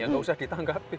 ya nggak usah ditanggapin